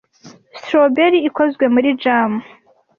Strawberry ikozwe muri jam.